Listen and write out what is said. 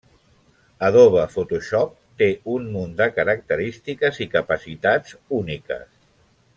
Adobe Photoshop té un munt de característiques i capacitats úniques.